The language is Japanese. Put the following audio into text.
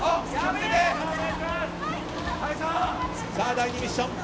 第２ミッションです。